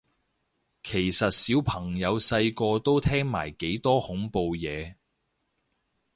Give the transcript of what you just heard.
其實小朋友細個都聽埋幾多恐怖嘢